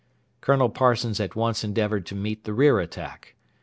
Colonel Parsons at once endeavoured to meet the rear attack.